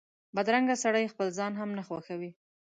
بدرنګه سړی خپل ځان هم نه خوښوي